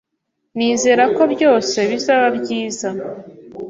Nizera ko byose bizaba byiza.